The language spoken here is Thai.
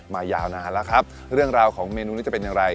ยาวนานแล้วครับเรื่องราวของเมนูนี้จะเป็นอย่างไร